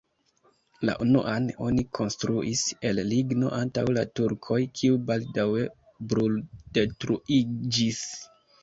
La unuan oni konstruis el ligno antaŭ la turkoj, kiu baldaŭe bruldetruiĝis.